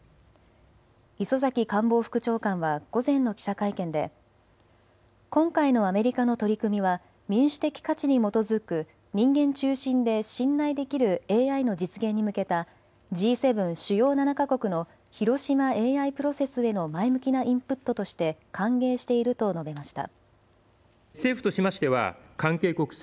磯崎官房副長官は午前の記者会見で今回のアメリカの取り組みは民主的価値に基づく人間中心で信頼できるＡＩの実現に向けたＧ７・主要７か国の広島ＡＩプロセスへの前向きなインプットとして歓迎していると述べました。